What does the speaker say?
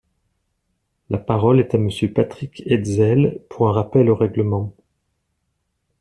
La parole est à Monsieur Patrick Hetzel, pour un rappel au règlement.